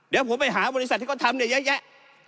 เดี๋ยวผมไปหาบริษัทที่เขาทำเนี่ยเยอะแยะ